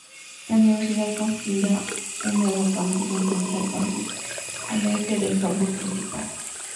La Universidad construirá un nuevo campus, el Centennial Campus, al oeste del campus principal.